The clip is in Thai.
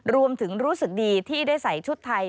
รวมถึงรู้สึกดีที่ได้ใส่ชุดไทย